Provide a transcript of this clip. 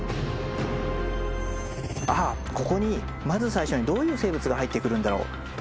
ああここにまず最初にどういう生物が入ってくるんだろう。